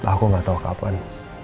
aku gak tahu kapan